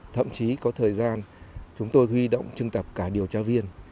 thậm chí có thời gian chúng tôi huy động trưng tập cả điều tra viên